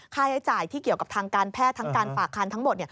ค่าใช้จ่ายที่เกี่ยวกับทางการแพทย์ทั้งการฝากคันทั้งหมด